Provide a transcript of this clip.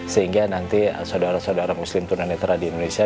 sehingga nanti saudara saudara muslim tunanetra di indonesia